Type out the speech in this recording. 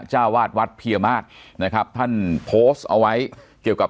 เจ้าวาดวัดเพียมาศนะครับท่านโพสต์เอาไว้เกี่ยวกับ